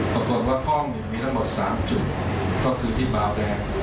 ปรากฏว่ากล้องมีทั้งหมด๓จุดก็คือที่บาวแดง